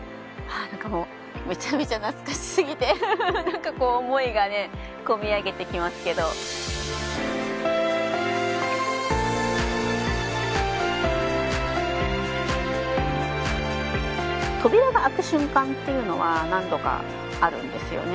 あなんかもうめちゃめちゃ懐かしすぎてなんかこう思いがね込み上げてきますけど扉が開く瞬間っていうのは何度かあるんですよね